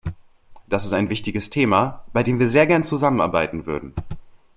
Das ist ein wichtiges Thema, bei dem wir sehr gern zusammenarbeiten würden.